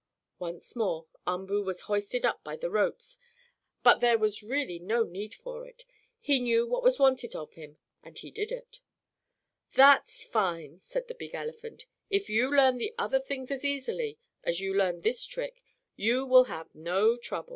Once more Umboo was hoisted up by the ropes, but there was really no need for it. He knew what was wanted of him, and he did it. "That's fine!" said the big elephant. "If you learn the other things as easily as you learned this trick, you will have no trouble."